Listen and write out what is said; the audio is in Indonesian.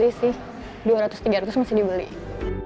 dua ratus tiga ratus masih dibeli